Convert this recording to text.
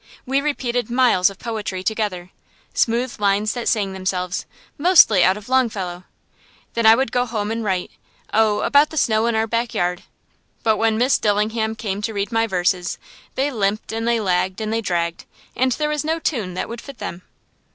We repeated miles of poetry together, smooth lines that sang themselves, mostly out of Longfellow. Then I would go home and write oh, about the snow in our back yard! but when Miss Dillingham came to read my verses, they limped and they lagged and they dragged, and there was no tune that would fit them.